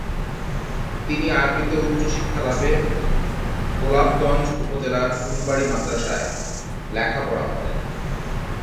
তিনি আরবীতে উচ্চ শিক্ষা লাভে গোলাপগঞ্জ উপজেলার ফুলবাড়ি মাদ্রাসায় লেখাপড়া করেন।